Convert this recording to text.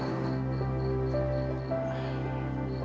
saya ingin mencari teman yang bisa membantu